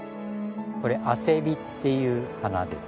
これアセビっていう花です。